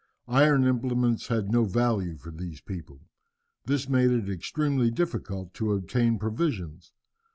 Iron implements had no value for these people. This made it extremely difficult to obtain provisions.